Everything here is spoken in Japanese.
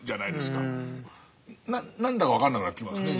何だか分かんなくなってきますね。